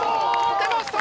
出ました！